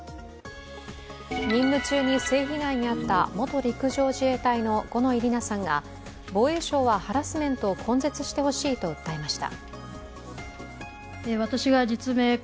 任務中に性被害に遭った元陸上自衛隊の五ノ井里奈さんが防衛省はハラスメントを根絶してほしいと訴えました。